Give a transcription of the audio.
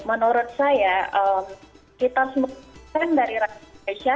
menurut saya kita semua dari rakyat malaysia